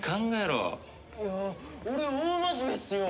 いや俺は大真面目っすよ！